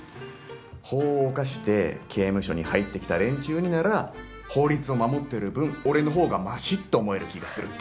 法を犯して刑務所に入ってきた連中になら法律を守ってる分俺のほうがマシって思える気がするって。